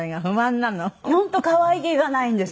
本当可愛げがないんです。